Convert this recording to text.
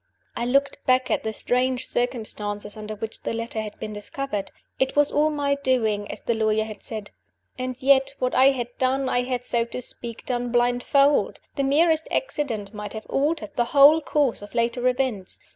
I looked back at the strange circumstances under which the letter had been discovered. It was all my doing as the lawyer had said. And yet, what I had done, I had, so to speak, done blindfold. The merest accident might have altered the whole course of later events.